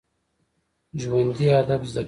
ژوندي ادب زده کوي